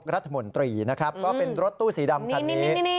รัฐมนตรีนะครับก็เป็นรถตู้สีดำคันนี้